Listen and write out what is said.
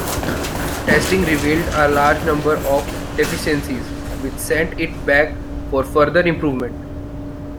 Testing revealed a large number of deficiencies, which sent it back for further improvement.